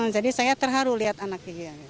saya terharu lihat anaknya